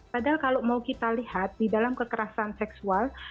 padahal kalau mau kita lihat di dalam kekerasan seksual